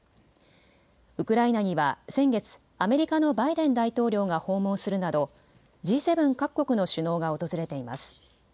ウクライナには先月、アメリカのバイデン大統領が訪問するなどＧ７各国の首脳が訪れています。